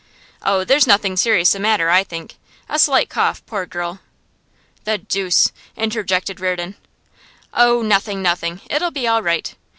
'Oh, there's nothing serious the matter, I think. A slight cough, poor girl.' 'The deuce!' interjected Reardon. 'Oh, nothing, nothing! It'll be all right.